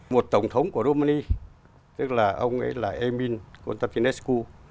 một tổng thống của jumani tức là ông ấy là emin kuntapinescu